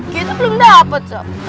kita belum dapet sob